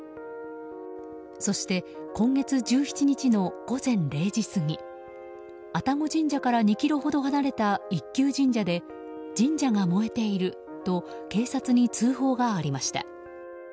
そして今月１７日の午前０時過ぎ愛宕神社から２ｋｍほど離れた一宮神社で神社が燃えていると警察に通報がありました。